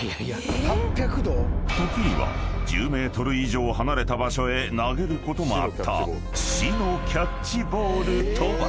［時には１０ｍ以上離れた場所へ投げることもあった死のキャッチボールとは？］